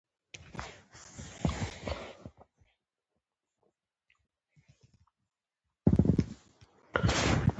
ډولچي هم ډول ته لرګي واچول.